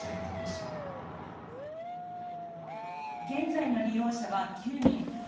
現在の利用者は９人。